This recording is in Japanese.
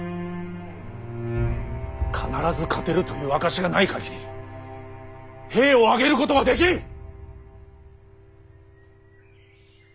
必ず勝てるという証しがない限り兵を挙げることはできん！